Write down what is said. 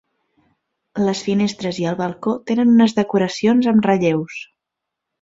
Les finestres i el balcó tenen unes decoracions amb relleus.